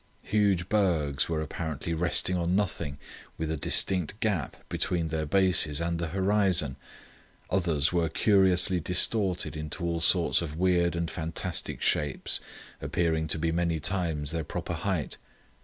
Huge bergs were apparently resting on nothing, with a distinct gap between their bases and the horizon; others were curiously distorted into all sorts of weird and fantastic shapes, appearing to be many times their proper height.